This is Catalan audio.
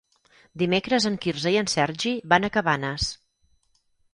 Dimecres en Quirze i en Sergi van a Cabanes.